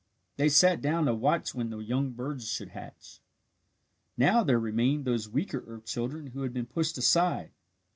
They sat down to watch when the young birds should hatch. Now there remained those weaker earth children who had been pushed aside.